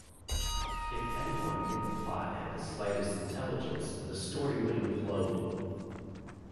If anyone in the plot had the slightest intelligence, the story would implode.